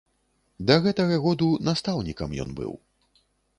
Да гэтага году настаўнікам ён быў.